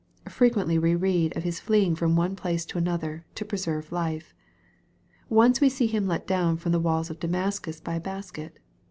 Frequently we read of his fleeing from one place to another, to preserve life. Once we see him let down from the walls of Damascus by a basket.